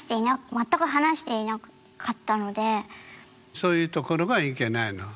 そういうところがいけないの。